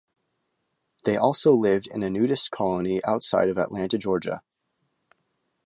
They also lived in a nudist colony outside of Atlanta, Georgia.